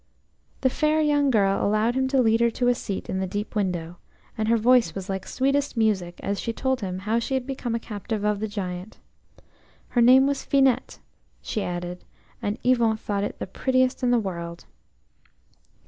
The fair young girl allowed him to lead her to a seat in the deep window, and her voice was like sweetest music as she told him how she had become a captive of the Giant. Her name was "Finette," she added, and Yvon thought it the prettiest in the world.